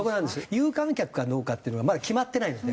有観客かどうかっていうのがまだ決まってないんですね。